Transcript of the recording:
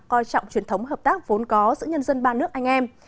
coi trọng truyền thống hợp tác vốn có giữa nhân dân ba nước anh em